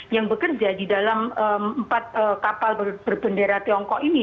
yang bekerja di dalam empat kapal berbendera tiongkok ini